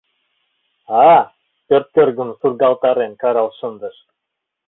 А? — пӧрткӧргым сургалтарен, карал шындыш.